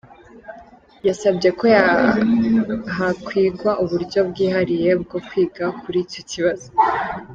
Yasabye ko hakwigwa uburyo bwihariye bwo kwiga kuri icyo kibazo.